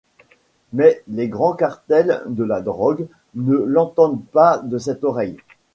Mais les grands cartels de la drogue ne l'entendent pas de cette oreille...